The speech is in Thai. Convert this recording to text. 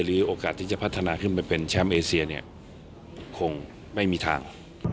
โอกาสที่จะพัฒนาขึ้นไปเป็นแชมป์เอเซียเนี่ยคงไม่มีทาง